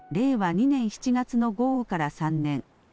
２年７月の豪雨から３年。